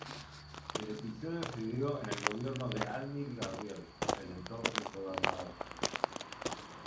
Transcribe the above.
El episodio se dio en el gobierno de Almir Gabriel, el entonces gobernador.